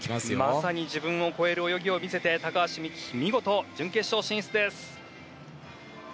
まさに自分を超える泳ぎを見せて高橋美紀、準決勝進出です。